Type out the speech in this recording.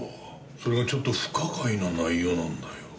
それがちょっと不可解な内容なんだよ。